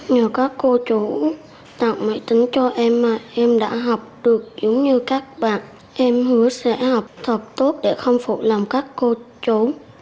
nhờ các cô chủ tạo máy tính cho em em đã học được giống như các bạn em hứa sẽ học thật tốt để không phụ lòng các cô trốn